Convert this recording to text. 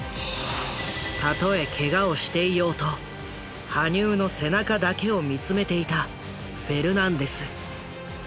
たとえケガをしていようと羽生の背中だけを見つめていたフェルナンデス。